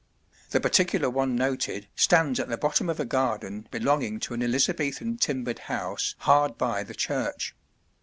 The particular one noted stands at the bottom of a garden belonging to an Elizabethan timbered house hard by the church.